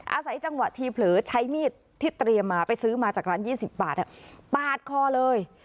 อาศัยจังหวะทีเผลอใช้มีดที่เตรียมมาไปซื้อมาจากร้าน๒๐บาทปาดคอเลย